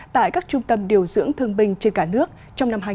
tại các trung tâm điều dưỡng thương binh trên cả nước trong năm hai nghìn hai mươi ba